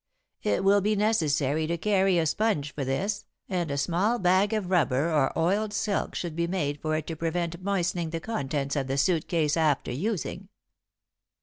It will be necessary to carry a sponge for this, and a small bag of rubber or oiled silk should be made for it to prevent moistening the contents of the suit case after using.'"